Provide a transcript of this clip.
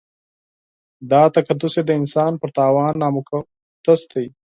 دا تقدس یې د انسان پر تاوان نامقدس دی.